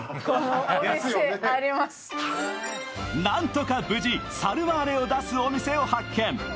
なんとか無事サルマーレを出すお店を発見。